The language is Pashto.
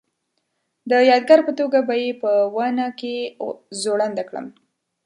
د یادګار په توګه به یې په ونه کې ځوړنده کړم.